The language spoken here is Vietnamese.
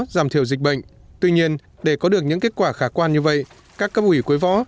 giảm thiểu dịch bệnh tuy nhiên để có được những kết quả khả quan như vậy các cấp ủy quế võ